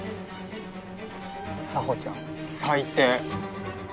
沙帆ちゃん最低。